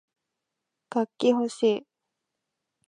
楽器ほしい